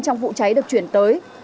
trong vụ cháy được chuyển tới